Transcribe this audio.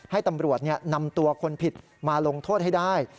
ให้ตำรวจนำตัวคนผิดมาลงโทษให้ได้